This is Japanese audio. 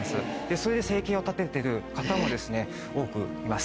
それで生計を立ててる方も多くいます。